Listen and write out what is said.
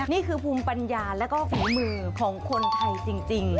นี่คือภูมิปัญญาแล้วก็ฝีมือของคนไทยจริง